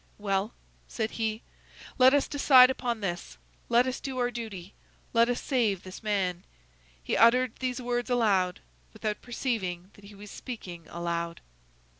"Well," said he, "let us decide upon this; let us do our duty; let us save this man." He uttered these words aloud, without perceiving that he was speaking aloud.